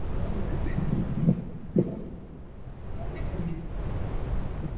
李仁颜就是西夏太祖李继迁的曾祖父。